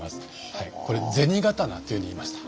これ「銭刀」っていうふうに言いました。